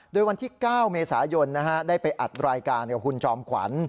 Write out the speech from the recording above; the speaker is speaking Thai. โดยวันที่๙เมษายนได้ไปอัดรายการกับคุณจอมขวัญ